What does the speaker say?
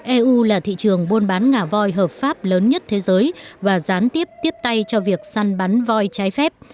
eu là thị trường buôn bán ngà voi hợp pháp lớn nhất thế giới và gián tiếp tiếp tay cho việc săn bắn voi trái phép